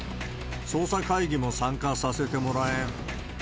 捜査会議も参加させてもらえん。